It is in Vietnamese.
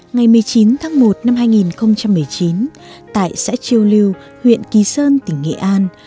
ngày một mươi chín tháng một năm hai nghìn một mươi chín tại xã chiêu lưu huyện kỳ sơn tỉnh nghệ an